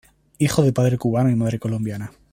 Hijo de padre cubano y madre colombiana.